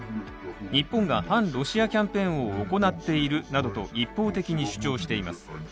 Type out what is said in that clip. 日本が反ロシアキャンペーンを行っているなどと一方的に主張しています。